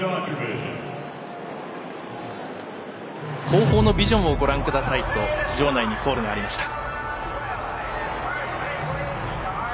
後方のビジョンをご覧くださいと場内にコールがありました。